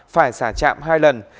phải xả trạm hai lần